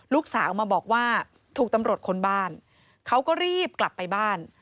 ลูกสาวมาบอกว่าถูกตำรวจค้นบ้านเขาก็รีบกลับไปบ้าน